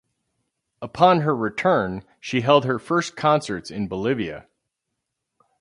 Upon her return, she held her first concerts in Bolivia.